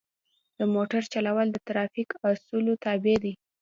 د موټر چلول د ترافیک د اصولو تابع دي.